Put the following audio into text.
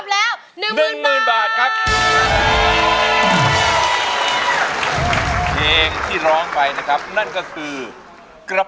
หนึ่งหมื่นบาทครับ